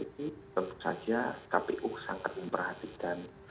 tentu saja kpu sangat memperhatikan